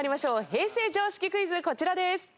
平成常識クイズこちらです。